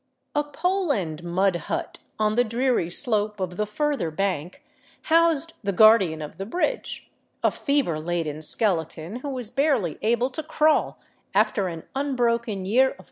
A pole and mud hut on the dreary slope of the further bank housed the guardian of the bridge, a fever laden skeleton who was barely able to crawl after an unbroken year oi.